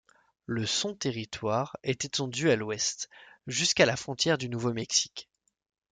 Le son territoire est étendu à l'ouest, jusqu'à la frontière du Nouveau-Mexique.